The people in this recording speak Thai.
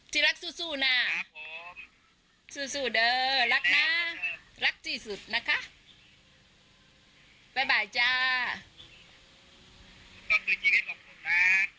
ที่รักสู้นะสู้เดอร์รักนะรักที่สุดนะคะบ๊ายบายจ้า